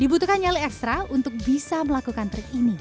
dibutuhkan nyali ekstra untuk bisa melakukan trik ini